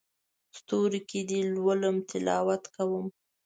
ستورو کې دې لولم تلاوت کوم